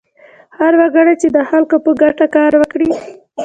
هر وګړی چې د خلکو په ګټه کار وکړي.